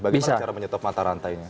bagaimana cara menyetop mata rantainya